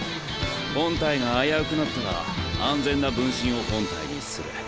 本体が危うくなったら安全な分身を本体にする。